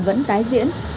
vẫn tái diễn